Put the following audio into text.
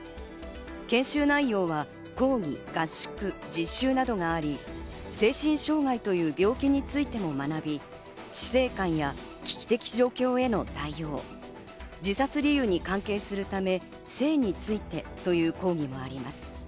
研修内容は講義、合宿、実習などがあり、精神障害という病気についても学び、死生観や危機的状況への対応、自殺理由に関係するため、性についてという講義もあります。